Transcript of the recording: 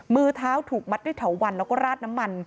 มือเท้าถูกมัดด้วยเถาวันแล้วก็ราดน้ำมัน